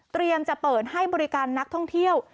จะเปิดให้บริการนักท่องเที่ยว